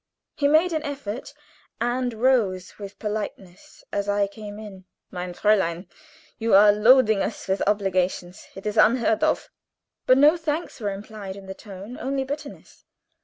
He made an effort, and rose with politeness as I came in. "Mein Fräulein, you are loading us with obligations. It is quite unheard of." But no thanks were implied in the tone only bitterness.